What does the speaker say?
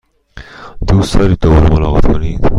دوست دارید دوباره ملاقات کنید؟